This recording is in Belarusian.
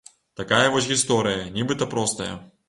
Такая вось гісторыя, нібыта простая.